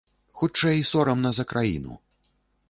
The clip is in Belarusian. Хутчэй, сорамна за краіну.